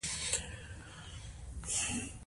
هر ګام په ورځني ژوند کې جزیي بدلونونه راوستل.